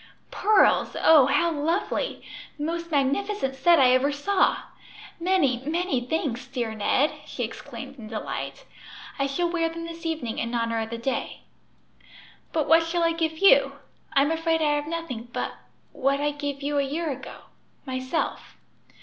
"Pearls! Oh, how lovely! the most magnificent set I ever saw. Many, many thanks, dear Ned!" she exclaimed in delight. "I shall wear them this evening in honor of the day. "But what shall I give you? I'm afraid I have nothing but what I gave you a year ago myself."